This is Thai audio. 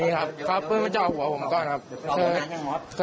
ใช่ครับเค้าปืนมาเจาะหัวผมก่อนครับ